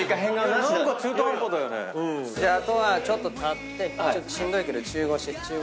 あとはちょっと立ってしんどいけど中腰。